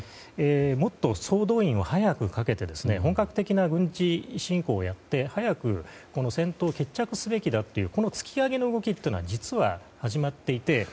もっと総動員を早くかけて本格的な軍事侵攻をやって早く戦闘を決着すべきだという突き上げの動きが実は、始まっていて。